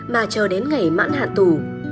mà chờ đến ngày mãn hạn tù